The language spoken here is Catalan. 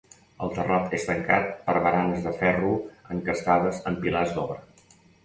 El terrat és tancat per baranes de ferro encastades en pilars d'obra.